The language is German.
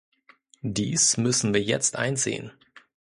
Dies müssen wir jetzt einsehen.